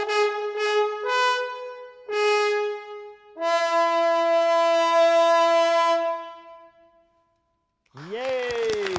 イエーイ！